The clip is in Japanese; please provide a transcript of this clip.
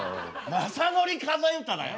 「雅紀数え歌」だよ。